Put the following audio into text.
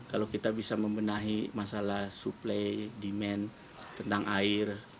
kalau kita bisa membenahi masalah suplai demand tentang air